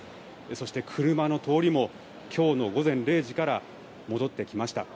そして、車の通りも今日の午前０時から戻ってきました。